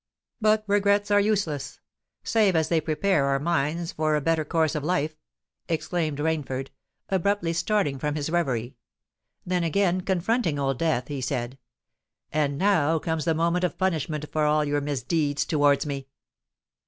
"But regrets are useless—save as they prepare our minds for a better course of life," exclaimed Rainford, abruptly starting from his reverie: then, again confronting Old Death, he said, "And now comes the moment of punishment for all your misdeeds towards me!"